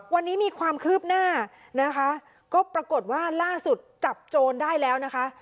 วันนี้มีความคืบหน้านะคะก็ปรากฏว่าล่าสุดจับโจรได้แล้วนะคะ